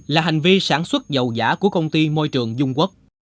là hành vi sản xuất dầu giả của công ty môi trường dung quốc